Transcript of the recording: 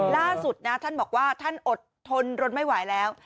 ล่าสุดนะท่านบอกว่าท่านอดทนรนไม่ไหวแล้ว